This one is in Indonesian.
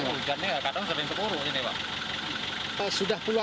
desa iya susah lah